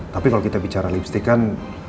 tapi kalau kita bicara lipstick kan